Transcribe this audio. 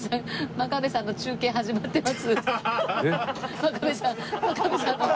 真壁さんの中継がもう始まってます。